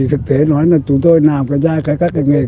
thực tế nói là chúng tôi làm ra các loại cây này